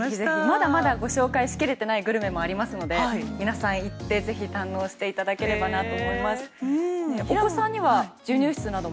まだまだご紹介しきれていないグルメもありますので皆さん行ってぜひ堪能していただければなと。